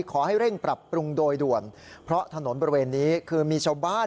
ขอให้เร่งปรับปรุงโดยด่วนเพราะถนนบริเวณนี้คือมีชาวบ้าน